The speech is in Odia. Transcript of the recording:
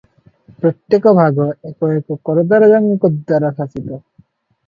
ପ୍ରତ୍ୟେକ ଭାଗ ଏକ ଏକ କରଦରାଜାଙ୍କଦ୍ୱାରା ଶାସିତ ।